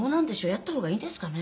やった方がいいんですかね？」